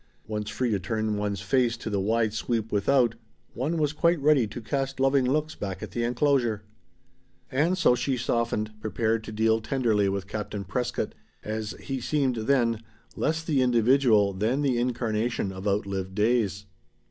Once free to turn one's face to the wide sweep without, one was quite ready to cast loving looks back at the enclosure. And so she softened, prepared to deal tenderly with Captain Prescott, as he seemed then, less the individual than the incarnation of outlived days.